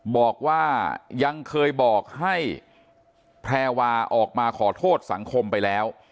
บอกว่ายังเคยบอกให้แพรวาออกมาขอโทษสังคมไปแล้ว